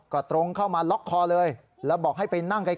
ก็ตรงเข้ามาล็อกคอเลยแล้วบอกให้ไปนั่งไกล